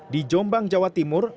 di jombang jawa timur